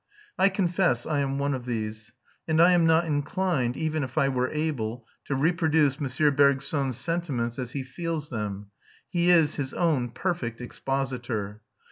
I confess I am one of these, and I am not inclined, even if I were able, to reproduce M. Bergson's sentiments as he feels them. He is his own perfect expositor.